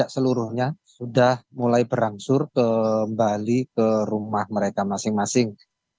seluruhnya sudah mulai berangsur kembali ke rumah mereka masing masing